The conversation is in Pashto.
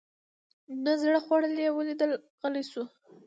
نه زړه خوړل یې ولیدل غلی شو.